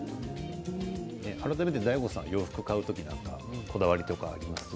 改めてＤＡＩＧＯさん洋服を買う時にこだわりとかありますか？